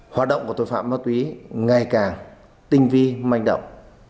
hoạt động của tội phạm ma túy ngày càng tinh vi manh động